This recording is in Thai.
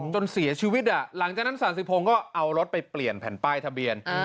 จนเสียชีวิตหลังจากนั้นศาสิพงศ์ก็เอารถไปเปลี่ยนแผ่นป้ายทะเบียน